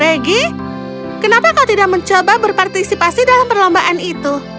regi kenapa kau tidak mencoba berpartisipasi dalam perlombaan itu